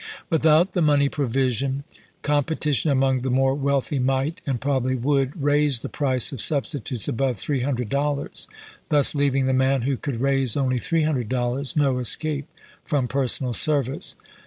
Without the money provision, competition among the more wealthy might, and probably would, raise the price of substitutes above three hundred dollars, thus leaving the man who could raise only three hundred dollars no escape from personal service.